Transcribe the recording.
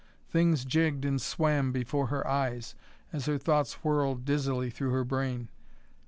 Things jigged and swam before her eyes, as her thoughts whirled dizzily through her brain.